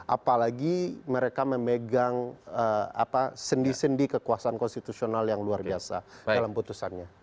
apalagi mereka memegang sendi sendi kekuasaan konstitusional yang luar biasa dalam putusannya